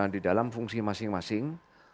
di dalam fungsi masing masing